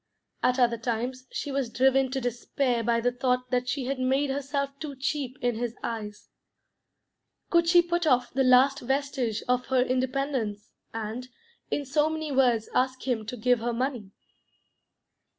At other times she was driven to despair by the thought that she had made herself too cheap in his eyes. Could she put off the last vestige of her independence, and, in so many words, ask him to give her money?